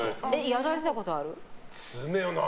やられたことある？